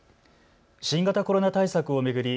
新型コロナ対策を巡り